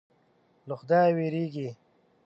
له خدایه وېرېږي.